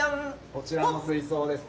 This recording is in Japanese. こちらの水槽ですね。